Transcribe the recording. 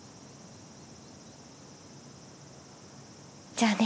じゃあね！